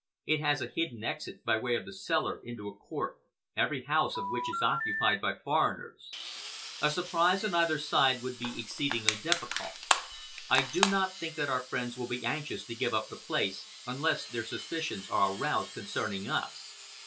It has a hidden exit, by way of the cellar, into a court, every house of which is occupied by foreigners. A surprise on either side would be exceedingly difficult. I do not think that our friends will be anxious to give up the place, unless their suspicions are aroused concerning us.